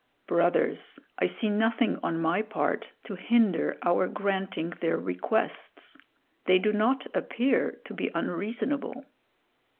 Brothers, I see nothing on my part to hinder our granting their requests; they do not appear to be unreasonable.